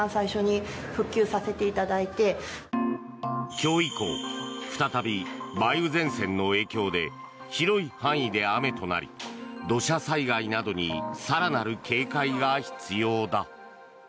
今日以降再び梅雨前線の影響で広い範囲で雨となり土砂災害などに更なる警戒が必要だ。